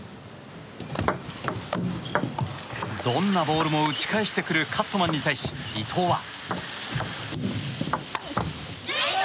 どんなボールも打ち返してくるカットマンに対し伊藤は。